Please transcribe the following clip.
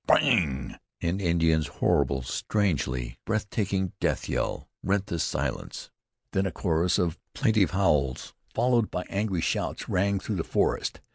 Spang! An Indian's horrible, strangely breaking death yell rent the silence. Then a chorus of plaintive howls, followed by angry shouts, rang through the forest.